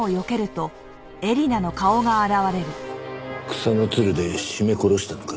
草のツルで絞め殺したのか？